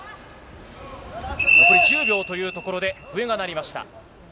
残り１０秒というところで笛が鳴りました。